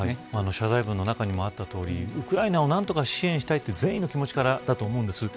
謝罪文の中にもあったとおりウクライナを何とか支援したいという善意の気持ちからだと思うんです。